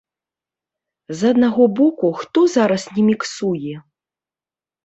З аднаго боку, хто зараз не міксуе?